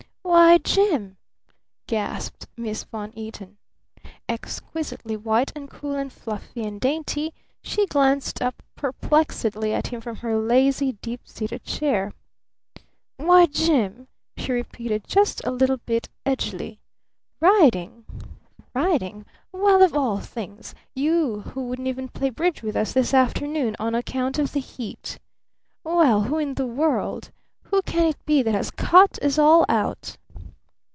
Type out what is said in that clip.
"Why, Jim!" gasped Miss Von Eaton. Exquisitely white and cool and fluffy and dainty, she glanced up perplexedly at him from her lazy, deep seated chair. "Why, Jim!" she repeated, just a little bit edgily. "Riding? Riding? Well, of all things! You who wouldn't even play bridge with us this afternoon on account of the heat! Well, who in the world who can it be that has cut us all out?"